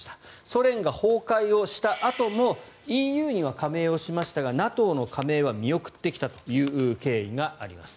ソ連が崩壊をしたあともＥＵには加盟をしましたがＮＡＴＯの加盟は見送ってきたという経緯があります。